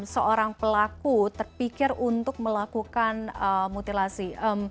seorang pelaku terpikir untuk melakukan mutilasi